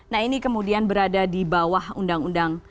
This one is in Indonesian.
nah ini kemudian berada di bawah undang undang